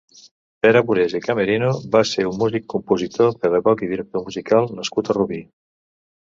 Pere Burés i Camerino va ser un músic, compositor, pedagog i director musical nascut a Rubí.